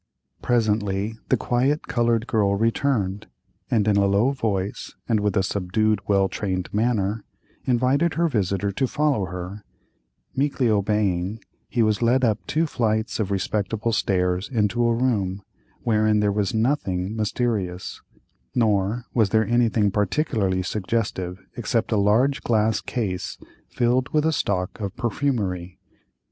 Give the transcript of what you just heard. Presently the quiet colored girl returned, and in a low voice, and with a subdued well trained manner, invited her visitor to follow her; meekly obeying, he was led up two flights of respectable stairs into a room wherein there was nothing mysterious, nor was there anything particularly suggestive except a large glass case filled with a stock of perfumery.